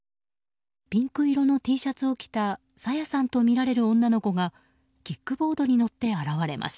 ピンク色のＴシャツを着た朝芽さんとみられる女の子がキックボードに乗って現れます。